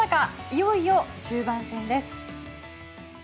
いよいよ終盤戦です。